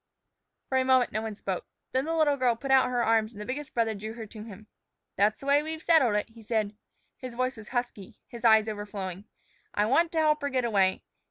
For a moment no one spoke. Then the little girl put out her arms, and the biggest brother drew her to him. "That's the way we've settled it," he said. His voice was husky, his eyes overflowing. "I want to help her get away.